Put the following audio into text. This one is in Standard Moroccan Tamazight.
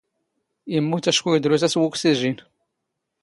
ⵉⵎⵎⵓⵜ ⴰⵛⴽⵓ ⵉⴷⵔⵓⵙ ⴰⵙ ⵡⵓⴽⵙⵉⵊⵉⵏ.